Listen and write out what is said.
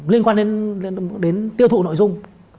linh quan đến tiêu thụ nội dung